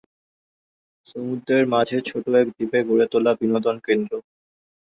সমুদ্রের মাঝে ছোট এক দ্বীপে গড়ে তোলা বিনোদন কেন্দ্র।